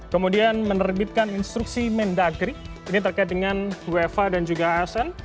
kemudian menerbitkan instruksi mendagri ini terkait dengan wfa dan juga asn